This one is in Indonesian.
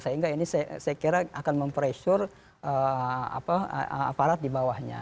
sehingga ini saya kira akan mempressure aparat di bawahnya